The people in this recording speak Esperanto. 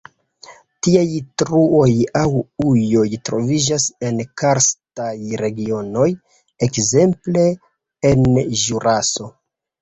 Tiaj truoj aŭ ujoj troviĝas en karstaj regionoj, ekzemple en Ĵuraso.